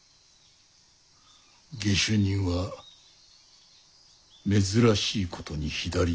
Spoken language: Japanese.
下手人は珍しいことに左利き。